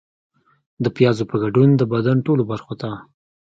د پیازو په ګډون د بدن ټولو برخو ته